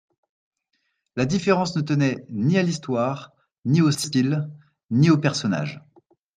La différence ne tenait ni à l’histoire, ni au style, ni aux personnages.